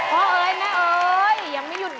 เพราะอะไรนะ